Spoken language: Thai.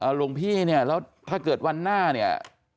หลวงพี่เนี่ยแล้วถ้าเกิดวันหน้าเนี่ย